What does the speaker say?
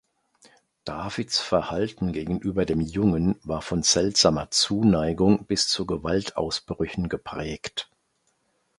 Davids Verhalten gegenüber dem Jungen war von seltsamer Zuneigung bis zu Gewaltausbrüchen geprägt.